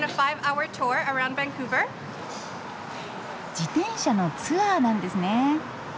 自転車のツアーなんですね。